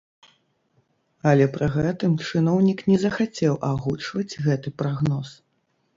Але пры гэтым чыноўнік не захацеў агучваць гэты прагноз.